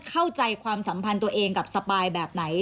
เข้าใจความสัมพันธ์ตัวเองกับสปายแบบไหน